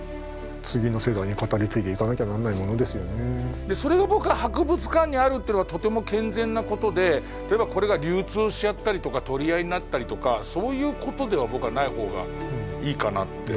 だからまあこういうものもずっとそれが僕は博物館にあるっていうのがとても健全なことで例えばこれが流通しちゃったりとか取り合いになったりとかそういうことでは僕はない方がいいかなって。